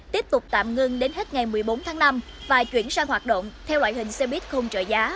tiếp tục tạm ngưng đến hết ngày một mươi bốn tháng năm và chuyển sang hoạt động theo loại hình xe buýt không trợ giá